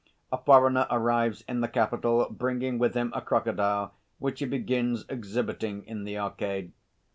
A foreigner arrives in the capital bringing with him a crocodile which he begins exhibiting in the Arcade.